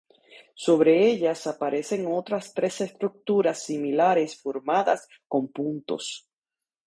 Sobre ellas aparecen otras tres estructuras similares formadas con puntos.